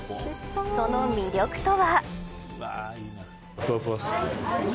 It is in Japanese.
その魅力とは。